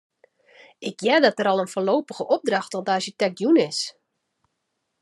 Ik hear dat der al in foarlopige opdracht oan de arsjitekt jûn is.